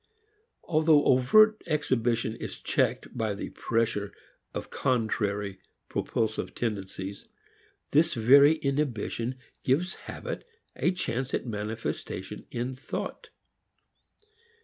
Although overt exhibition is checked by the pressure of contrary propulsive tendencies, this very inhibition gives habit a chance at manifestation in thought.